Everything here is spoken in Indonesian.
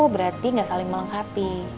berarti gak saling melengkapi